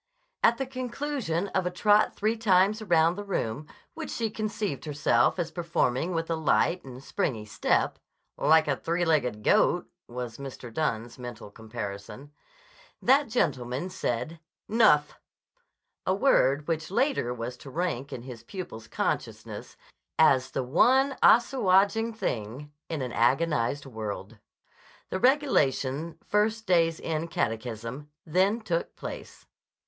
At the conclusion of a trot three times around the room which she conceived herself as performing with a light and springy step ("like a three legged goat" was Mr. Dunne's mental comparison), that gentleman said, "Nuff," a word which later was to rank in his pupil's consciousness as the one assuaging thing in an agonized world. The regulation first day's end catechism then took place.